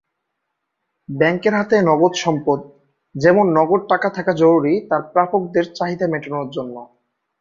ব্যাংকের হাতে নগদ সম্পদ; যেমন নগদ টাকা থাকা জরুরী তার প্রাপকদের চাহিদা মেটানোর জন্য।